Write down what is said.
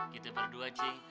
kita berdua ji